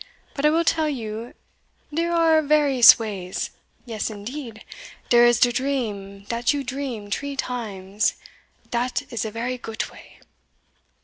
But I will tell you dere are various ways yes, indeed, dere is de dream dat you dream tree times dat is a vary goot way."